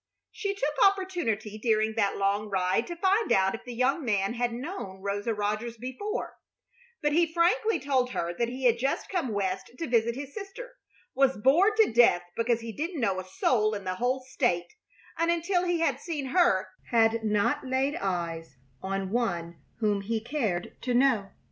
She took opportunity during that long ride to find out if the young man had known Rosa Rogers before; but he frankly told her that he had just come West to visit his sister, was bored to death because he didn't know a soul in the whole State, and until he had seen her had not laid eyes on one whom he cared to know.